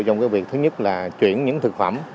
trong việc thứ nhất là chuyển những thực phẩm